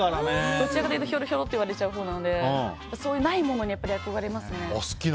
どちらかというとひょろひょろと言われるほうなのでそういう、ないものに憧れますね。